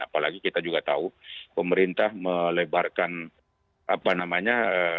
apalagi kita juga tahu pemerintah melebarkan apa namanya